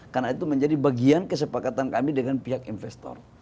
karena itu menjadi bagian kesepakatan kami dengan pihak investor